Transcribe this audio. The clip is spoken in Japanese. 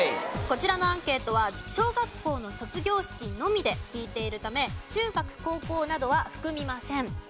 こちらのアンケートは小学校の卒業式のみで聞いているため中学高校などは含みません。